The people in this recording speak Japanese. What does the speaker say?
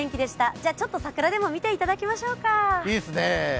じゃあ、ちょっと桜でも見ていただきましょうか。